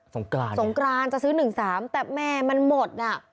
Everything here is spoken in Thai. งกรานสงกรานจะซื้อ๑๓แต่แม่มันหมดน่ะ